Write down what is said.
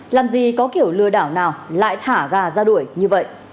làm gì có kiểu lừa đảo nào lại thả gà ra đuổi như vậy